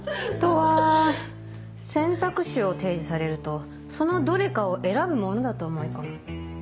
人は選択肢を提示されるとそのどれかを選ぶものだと思い込む。